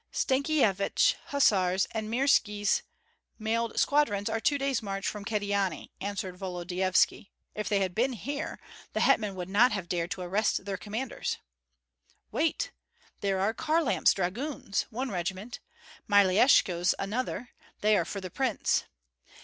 "Stankyevich's hussars and Mirski's mailed squadrons are two days' march from Kyedani," answered Volodyovski. "If they had been here, the hetman would not have dared to arrest their commanders. Wait! There are Kharlamp's dragoons, one regiment, Myeleshko's another; they are for the prince.